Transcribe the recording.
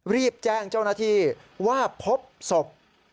รีบแจ้งเจ้าหน้าที่ว่าพบศพ